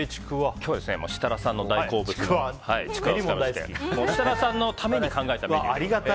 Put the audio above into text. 今日は設楽さんの大好物ちくわを使いまして設楽さんのために考えたメニューです。